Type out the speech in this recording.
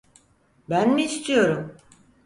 Ben mi istiyorum?